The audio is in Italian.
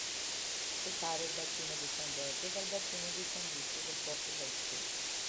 Separa il bacino di San Giorgio dal bacino di San Giusto del Porto Vecchio.